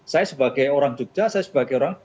saya sebagai orang jogja saya sebagai orang